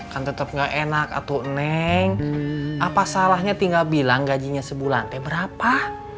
kan tetep gak enak atuh neng apa salahnya tinggal bilang gajinya sebulan te berapa